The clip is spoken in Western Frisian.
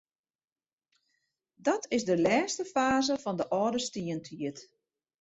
Dat is de lêste faze fan de âlde stientiid.